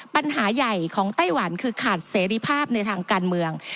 ปัญหาใหญ่ของไต้หวันคือขาดเสรีภาพในทางการเมือง